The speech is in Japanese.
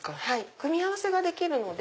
組み合わせができるので。